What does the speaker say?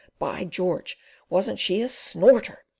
By George! Wasn't she a snorter?